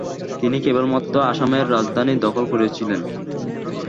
তিনি কেবলমাত্র আসামের রাজধানী দখল করেছিলেন।